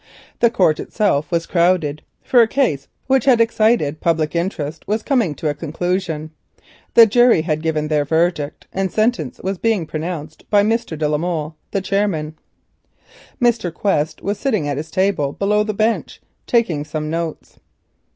The court itself was crowded, for a case which had excited public interest was coming to a conclusion. The jury had given their verdict, and sentence was being pronounced by Mr. de la Molle, the chairman. Mr. Quest was sitting at his table below the bench taking some notes.